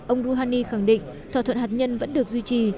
ông rouhani khẳng định thỏa thuận hạt nhân vẫn được duy trì